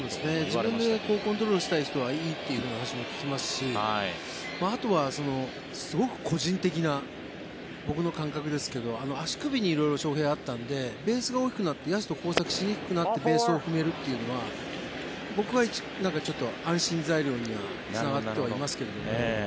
自分でコントロールしたい人はいいという話も聞きますしあとはすごく個人的な僕の感覚ですけど足首に色々、翔平、あったのでベースが大きくなって野手と交錯しにくくなってベースを踏めるっていうのは僕はちょっと、安心材料にはつながってはいますけどね。